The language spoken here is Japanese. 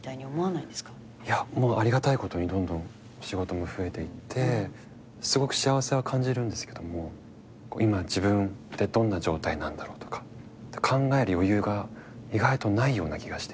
いやありがたいことにどんどん仕事も増えていってすごく幸せは感じるんですけども今自分ってどんな状態なんだろうとか考える余裕が意外とないような気がしていて。